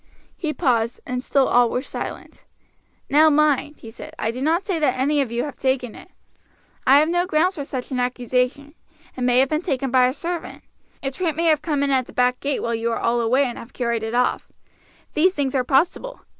He paused, and still all were silent. "Now mind," he said, "I do not say that any of you have taken it I have no grounds for such an accusation. It may have been taken by a servant. A tramp may have come in at the back gate when you were all away and have carried it off. These things are possible.